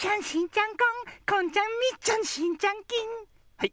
はい。